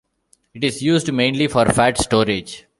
It is used mainly for fat storage.